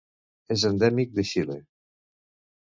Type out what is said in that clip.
És endèmic de Xile.